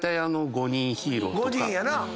５人やな。